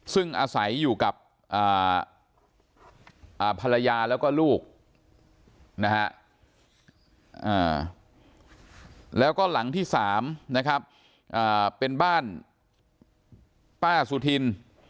ซึ่งอาศัยอยู่กับภรรยาแล้วก็ลูกนะฮะแล้วก็หลังที่๓นะครับเป็นบ้านป้าสุธิน